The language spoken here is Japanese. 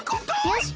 よし！